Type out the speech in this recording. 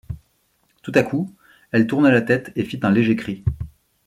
Tout à coup elle tourna la tête et fit un léger cri.